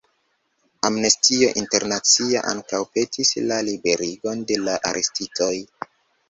Amnestio Internacia ankaŭ petis la liberigon de la arestitoj.